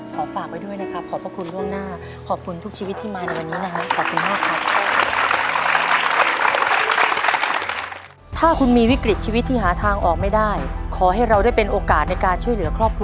ฝากไว้ด้วยนะครับขอบพระคุณล่วงหน้าขอบคุณทุกชีวิตที่มาในวันนี้นะครับขอบคุณมากครับ